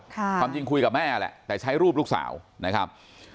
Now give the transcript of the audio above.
ความจริงคุยกับแม่แหละแต่ใช้รูปลูกสาวนะครับ